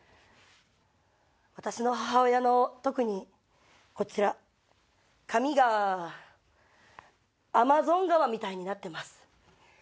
私の母親の特にこちら髪がアマゾン川みたいになってます。